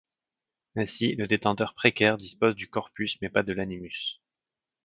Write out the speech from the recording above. Ainsi le détenteur précaire dispose du corpus mais pas de l'animus.